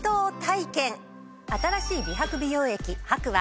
新しい美白美容液ＨＡＫＵは。